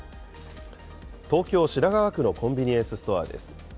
東京・品川区のコンビニエンスストアです。